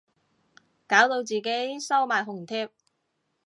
搞到自己收埋紅帖